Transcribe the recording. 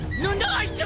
あいつ！